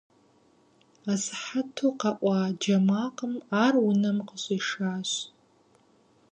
Асыхьэту къэӀуа джэ макъым ар унэм къыщӀишащ.